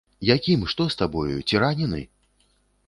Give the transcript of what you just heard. Якім, што з табою, ці ранены?